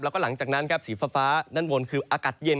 แล้วก็หลังจากนั้นครับสีฟ้าด้านบนคืออากาศเย็น